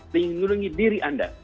lindungi diri anda